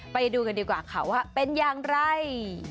ไปดูกันดีกว่าค่ะว่าเป็นอย่างไร